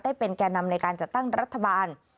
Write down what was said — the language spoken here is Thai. ได้เป็นแก่นำในการจัดตั้งรัฐบาล